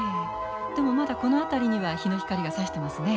でもまだこの辺りには日の光がさしてますね。